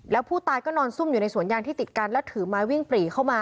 แล้วผู้ตายก็นอนซุ่มอยู่ในสวนยางที่ติดกันแล้วถือไม้วิ่งปรีเข้ามา